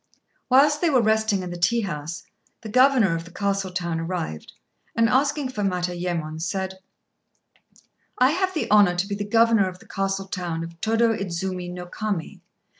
Whilst they were resting in the tea house, the governor of the castle town arrived, and, asking for Matayémou, said "I have the honour to be the governor of the castle town of Tôdô Idzumi no Kami.